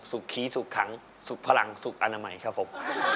ขี่สุขขังสุขพลังสุขอนามัยครับผม